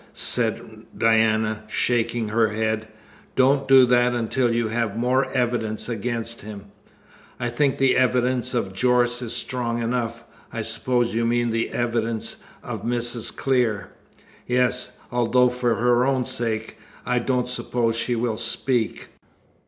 said Diana, shaking her head. "Don't do that until you have more evidence against him." "I think the evidence of Jorce is strong enough. I suppose you mean the evidence of Mrs. Clear?" "Yes; although for her own sake I don't suppose she will speak."